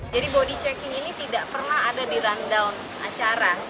jadi body checking ini tidak pernah ada di rundown acara